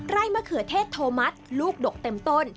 มะเขือเทศโทมัติลูกดกเต็มต้น